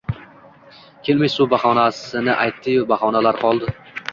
kelmish suv bahonasini aytdi-yu... balolarga qoldi!